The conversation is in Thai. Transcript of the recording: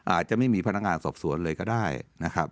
อาจจะไม่มีพนักงานสอบสวนเลยก็ได้นะครับ